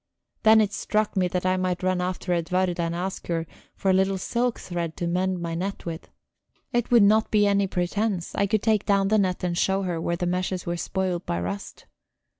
Then it struck me that I might run after Edwarda and ask her for a little silk thread to mend my net with. It would not be any pretence I could take down the net and show her where the meshes were spoiled by rust.